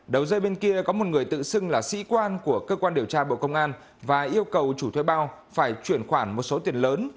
đầu rơi bên kia có một người tự xưng là sĩ quan của cơ quan điều tra bộ công an và yêu cầu chủ thuê bao phải chuyển khoản một số tiền lớn